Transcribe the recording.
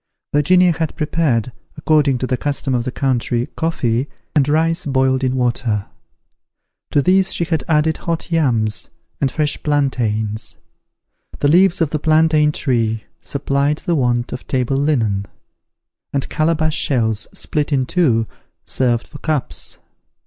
Virginia had prepared, according to the custom of the country, coffee, and rice boiled in water. To these she had added hot yams, and fresh plantains. The leaves of the plantain tree, supplied the want of table linen; and calabash shells, split in two, served for cups.